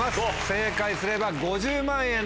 正解すれば５０万円です。